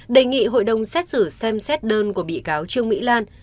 đề nghị hội đồng xét xử xem xét đơn của bị cáo trương mỹ lan